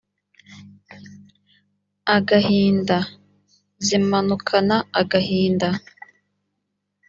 agahinda : zimanukana agahinda